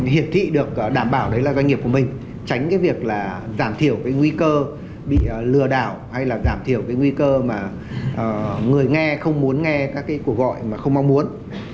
hiển thị được đảm bảo đấy là doanh nghiệp của mình tránh cái việc là giảm thiểu cái nguy cơ bị lừa đảo hay là giảm thiểu cái nguy cơ mà người nghe không muốn nghe các cái cuộc gọi mà không mong muốn